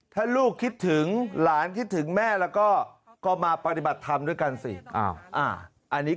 ถ้าลูกคิดถึงหลานคิดถึงแม่แล้วก็มาปฏิบัติธรรมด้วยกันสิ